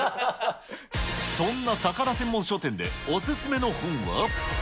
そんな魚専門書店でお薦めの本は？